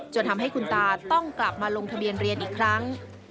จนทำให้คุณตาต้องกลับมาลงทะเบียนเรียนอีกครั้ง